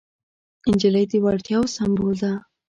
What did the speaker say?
نجلۍ د وړتیاوو سمبول ده.